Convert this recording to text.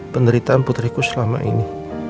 penderitaan putriku selama ini